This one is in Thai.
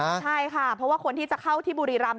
ใช่ค่ะเพราะว่าคนที่จะเข้าที่บุรีรำ